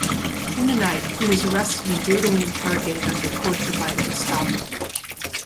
In the night he was arrested and brutally interrogated under torture by the Gestapo.